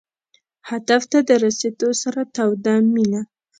هدف ته د رسېدو سره توده مینه.